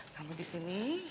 kamu di sini